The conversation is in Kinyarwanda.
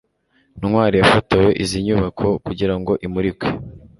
ntwali yafotoye izi nyubako kugirango imurikwe